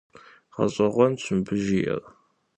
ГъэщӀэгъуэнщ мыбы жиӀэр!